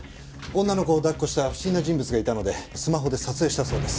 女の子を抱っこした不審な人物がいたのでスマホで撮影したそうです。